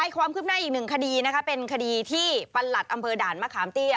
ความคืบหน้าอีกหนึ่งคดีนะคะเป็นคดีที่ประหลัดอำเภอด่านมะขามเตี้ย